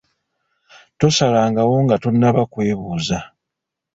Tosalangawo nga tonnaba kwebuuza.